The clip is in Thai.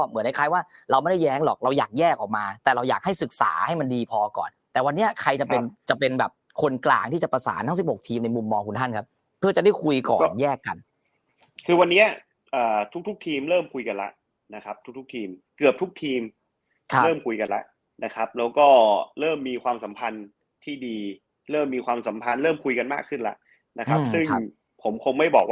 เพราะว่าเราไม่ได้แย้งหรอกเราอยากแยกออกมาแต่เราอยากให้ศึกษาให้มันดีพอก่อนแต่วันเนี้ยใครจะเป็นจะเป็นแบบคนกลางที่จะประสานทั้งสิบหกทีมในมุมมอคุณฮั่นครับเพื่อจะได้คุยก่อนแยกกันคือวันเนี้ยอ่าทุกทุกทีมเริ่มคุยกันแล้วนะครับทุกทุกทีมเกือบทุกทีมเริ่มคุยกันแล้วนะครับแล้วก็เริ่มมีคว